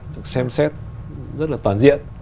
được xem xét rất là toàn diện